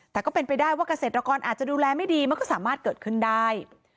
แต่ก็เป็นไปได้ว่าเกษตรกรอาจจะดูแลไม่ดีมันก็สามารถเกิดขึ้นได้